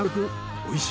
おいしい。